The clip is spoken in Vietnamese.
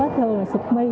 thường là sụp mi